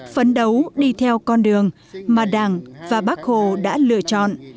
phấn đấu đi theo con đường mà đảng và bác hồ đã lựa chọn